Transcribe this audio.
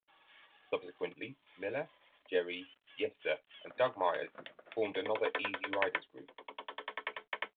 Subsequently, Miller, Jerry Yester, and Doug Myres formed another Easy Riders group.